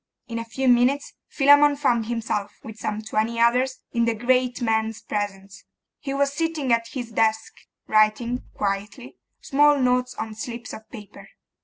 In a few minutes Philammon found himself, with some twenty others, in the great man's presence: he was sitting at his desk, writing, quietly, small notes on slips of paper.